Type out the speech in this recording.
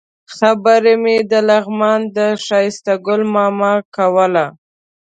خبره مې د لغمان د ښایسته ګل ماما کوله.